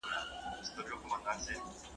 تفریح د فشار کمولو وسیله ده